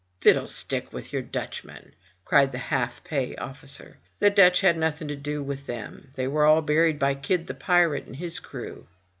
"Fiddlestick with your Dutchmen !'* cried the half pay officer. "The Dutch had nothing to do with them. They were all buried by Kidd the pirate, and his crew."